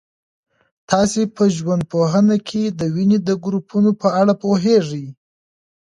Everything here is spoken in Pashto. تاسو په ژوندپوهنه کي د وینې د ګروپونو په اړه پوهېږئ؟